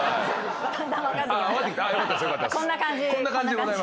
こんな感じ。